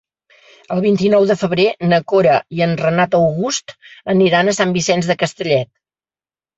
El vint-i-nou de febrer na Cora i en Renat August aniran a Sant Vicenç de Castellet.